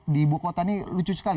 di ibu kota ini lucu sekali